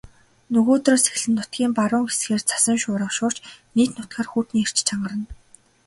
Нөгөөдрөөс эхлэн нутгийн баруун хэсгээр цасан шуурга шуурч нийт нутгаар хүйтний эрч чангарна.